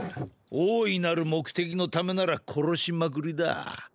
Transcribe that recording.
大いなる目的のためなら殺しまくりだ。